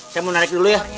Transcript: saya mau narik dulu ya